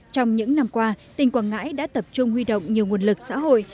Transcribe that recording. trong những năm qua tỉnh quảng ngãi đã tập trung huy động nhiều nguồn lực xã hội